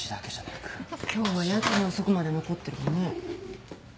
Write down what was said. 今日はやけに遅くまで残ってるわね。